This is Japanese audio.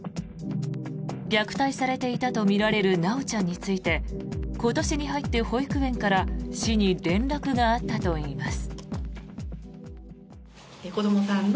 虐待されていたとみられる修ちゃんについて今年に入って保育園から市に連絡があったといいます。